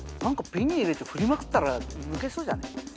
何かビンに入れて振りまくったらむけそうじゃない？